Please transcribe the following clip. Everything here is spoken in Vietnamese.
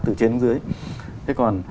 từ trên đến dưới thế còn